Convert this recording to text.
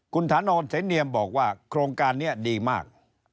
คุณถานอนเสนเนียมบอกว่าโครงการนี้ดีมาก